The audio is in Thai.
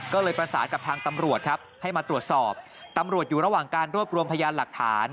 ก็เลยประสานกับทางตำรวจครับให้มาตรวจสอบตำรวจอยู่ระหว่างการรวบรวมพยานหลักฐาน